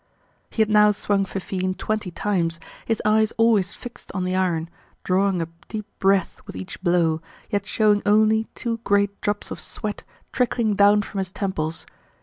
He had now swung Fifine twenty times, his eyes always fixed on the iron, drawing a deep breath with each blow, yet showing only two great drops of sweat trickling down from his temples.